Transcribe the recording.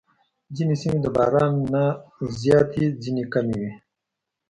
ځینې سیمې د باران نه زیاتې، ځینې کمې وي.